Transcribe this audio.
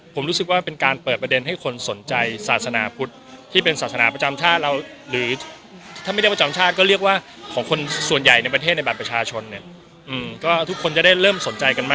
ผมรู้สึกว่าเป็นการเปิดประเด็นให้คนสนใจศาสนาพุทธที่เป็นศาสนาประจำชาติเราหรือถ้าไม่ได้ประจำชาติก็เรียกว่าของคนส่วนใหญ่ในประเทศในแบบประชาชนเนี่ย